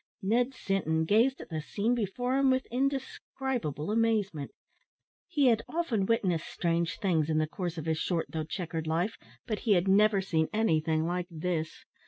Ned Sinton gazed at the scene before him with indescribable amazement! He had often witnessed strange things in the course of his short though chequered life, but he had never seen anything like this.